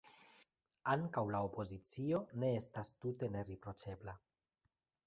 Ankaŭ la opozicio ne estas tute neriproĉebla.